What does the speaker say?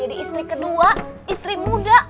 jadi istri kedua istri muda